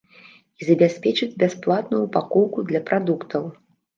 І забяспечыць бясплатную упакоўку для прадуктаў.